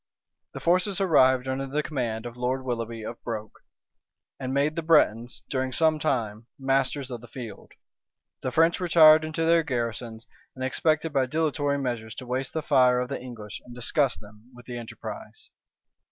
The forces arrived under the command of Lord Willoughby of Broke; and made the Bretons, during some time, masters of the field. The French retired into their garrisons; and expected by dilatory measures to waste the fire of the English, and disgust them with the enterprise.